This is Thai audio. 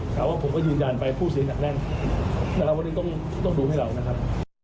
แต่ว่าผมก็ยืนยันไปผู้เสียหนักแน่นนะครับวันนี้ต้องดูให้เรานะครับ